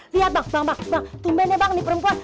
lihat bang bang bang bang tumben ya bang nih perempuan